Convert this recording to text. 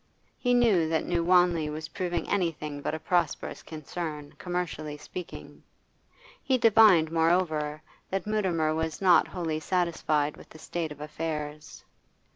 He knew that New Wanley was proving anything but a prosperous concern, commercially speaking; he divined, moreover, that Mutimer was not wholly satisfied with the state of affairs.